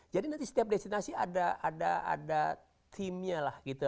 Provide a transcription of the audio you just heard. jadi nanti setiap destinasi ada theme nya lah gitu